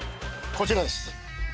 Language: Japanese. こちらです。